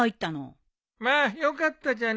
まあよかったじゃねえか。